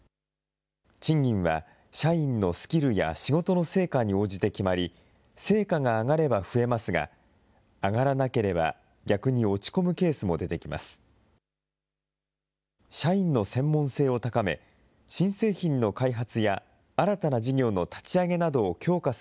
賃金は社員のスキルや仕事の成果に応じて決まり、成果が上がれば増えますが、上がらなければ逆に落ち込むケースも出てきます。